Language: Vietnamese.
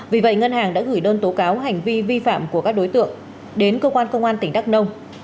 vì vậy ngân hàng đã gửi đơn tố cáo hành vi vi phạm của các đối tượng đến cơ quan công an tỉnh đắk nông